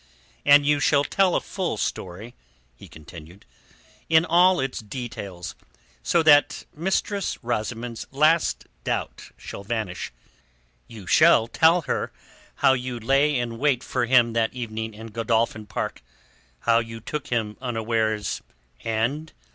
"And you shall tell a full story," he continued, "in all its details, so that Mistress Rosamund's last doubt shall vanish. You shall tell her how you lay in wait for him that evening in Godolphin Park; how you took him unawares, and...."